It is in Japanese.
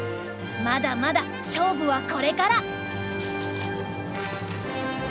まだまだ勝負はこれから！